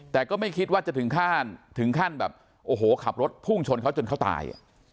แต่ก็ไม่คิดว่าจะถึงขั้นถึงขั้นแบบโอ้โหขับรถพุ่งชนเขาจนเขาตาย